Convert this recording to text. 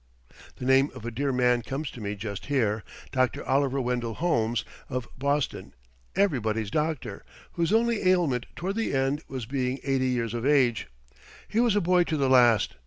The name of a dear man comes to me just here, Dr. Oliver Wendell Holmes, of Boston, everybody's doctor, whose only ailment toward the end was being eighty years of age. He was a boy to the last.